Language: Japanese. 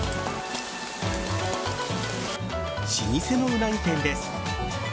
老舗のウナギ店です。